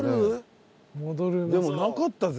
でもなかったぜ。